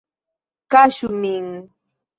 Kaŝu min!